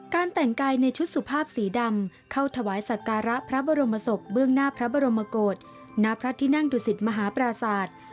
แต่งกายในชุดสุภาพสีดำเข้าถวายสักการะพระบรมศพเบื้องหน้าพระบรมกฏณพระที่นั่งดุสิตมหาปราศาสตร์